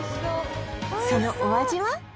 そのお味は？